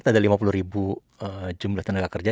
ada lima puluh ribu jumlah tenaga kerja